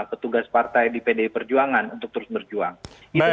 petugas partai di pdi perjuangan untuk terus menerima ideologi